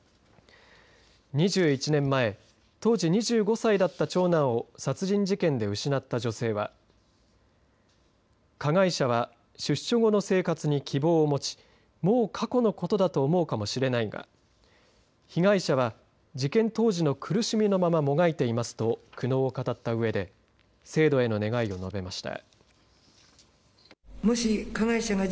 ２１年前当時２５歳だった長男を殺人事件で失った女性は加害者は出所後の生活に希望を持ちもう過去のものだと思うかもしれないが被害者は事件当時の苦しみのままもがいていますと苦悩を語ったうえで制度への願いを述べました。